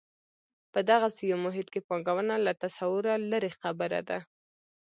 په دغسې یو محیط کې پانګونه له تصوره لرې خبره ده.